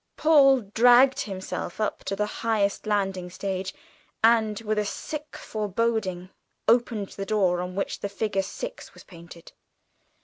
Paul dragged himself up to the highest landing stage, and, with a sick foreboding, opened the door on which the figure 6 was painted.